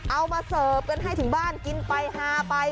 มาเสิร์ฟกันให้ถึงบ้านกินไปฮาไป